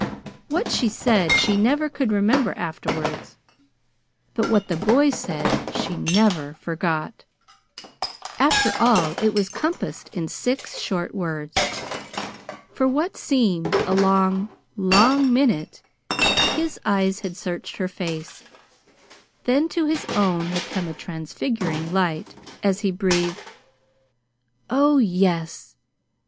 What she said she never could remember afterwards; but what the boy said, she never forgot. After all, it was compassed in six short words. For what seemed a long, long minute his eyes had searched her face; then to his own had come a transfiguring light, as he breathed: "Oh, yes!